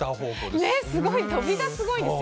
すごい、飛びがすごいですよ